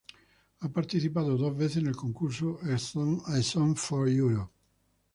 Ha participado dos veces en el concurso A Song for Europe.